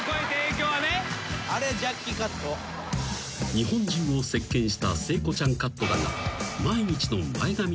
［日本中を席巻した聖子ちゃんカットだが］